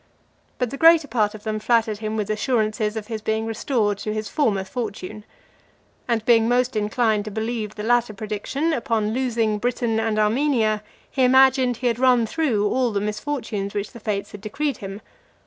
But the greater part of them flattered him with assurances of his being restored to his former fortune. And being most inclined to believe the latter prediction, upon losing Britain and Armenia, he imagined he had run through all the misfortunes which the fates had decreed him.